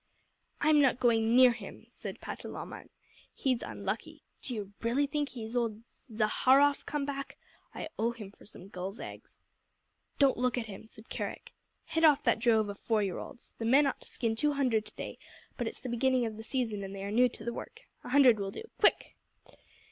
"I'm not going near him," said Patalamon. "He's unlucky. Do you really think he is old Zaharrof come back? I owe him for some gulls' eggs." "Don't look at him," said Kerick. "Head off that drove of four year olds. The men ought to skin two hundred to day, but it's the beginning of the season and they are new to the work. A hundred will do. Quick!"